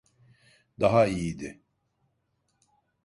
Daha iyiydi.